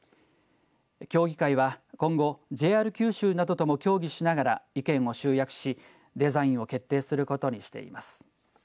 協議会は今後、ＪＲ九州などとも協議しながら意見を集約しデザインを決定することにしています。